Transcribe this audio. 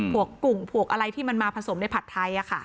ผวกกลุ่มผวกอะไรที่มันมาผสมในผัดไทยอ่ะค่ะ